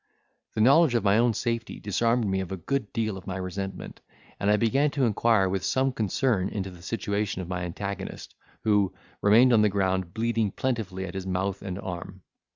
The knowledge of my own safety disarmed me of a good deal of my resentment, and I began to inquire with some concern into the situation of my antagonist, who remained on the ground bleeding plentifully at his mouth and arm.